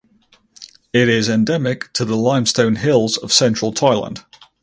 It is endemic to the limestone hills of central Thailand.